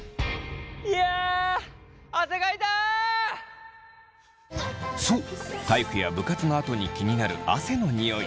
いやそう体育や部活のあとに気になる汗のニオイ。